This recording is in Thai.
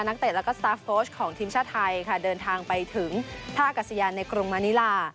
เตะแล้วก็สตาร์ฟโค้ชของทีมชาติไทยค่ะเดินทางไปถึงท่ากัศยานในกรุงมานิลา